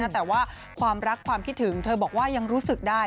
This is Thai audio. แต่ว่าความรักความคิดถึงเธอบอกว่ายังรู้สึกได้